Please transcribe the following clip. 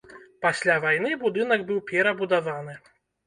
Пасля вайны будынак быў перабудаваны.